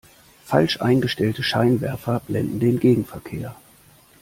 Falsch eingestellte Scheinwerfer blenden den Gegenverkehr.